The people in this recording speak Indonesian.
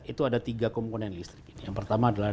itu ada tiga komponen listrik ini yang pertama adalah